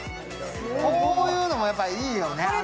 こういうのもやっぱりいいよね。